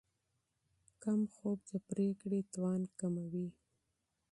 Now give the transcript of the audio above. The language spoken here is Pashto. کم خوب د پرېکړې توان کموي.